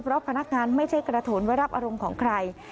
เพราะพนักงานไม่ใช่กระโถนไว้รับอารมณ์ของใคร